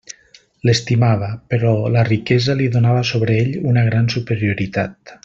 L'estimava; però la riquesa li donava sobre ell una gran superioritat.